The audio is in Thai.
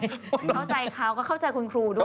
เข้าใจเขาก็เข้าใจคุณครูด้วย